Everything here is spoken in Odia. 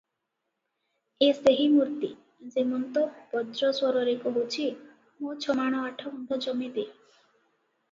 ଏ ସେହି ମୂର୍ତ୍ତି, ଯେମନ୍ତ ବଜ୍ର ସ୍ୱରରେ କହୁଛି, "ମୋ ଛମାଣ ଆଠଗୁଣ୍ଠ ଜମି ଦେ ।"